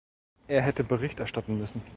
Er hätte Bericht erstatten müssen.